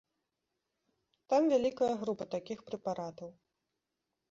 Там вялікая група такіх прэпаратаў.